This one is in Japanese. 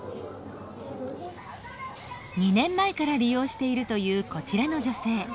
２年前から利用しているというこちらの女性。